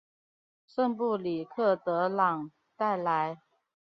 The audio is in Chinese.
圣布里克德朗代莱。